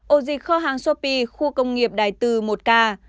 ổ dịch kho hàng sô pi khu công nghiệp đài tư một ca